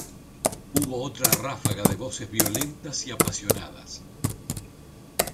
hubo otra ráfaga de voces violentas y apasionadas.